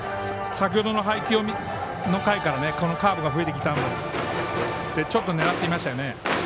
先ほどの回からカーブが増えてきたのでちょっと狙っていましたね。